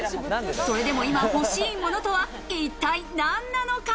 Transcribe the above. それでも今、欲しいものとは一体何なのか？